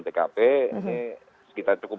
tptkp ini sekitar cukup